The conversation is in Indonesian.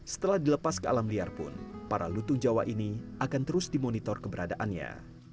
setelah dilepas ke alam liar pun para lutung jawa ini akan terus dimonitor keberadaannya